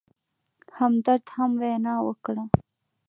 همدرد هم وینا وکړه.